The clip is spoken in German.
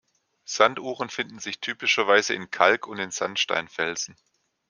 Sanduhren finden sich typischerweise in Kalk- und in Sandsteinfelsen.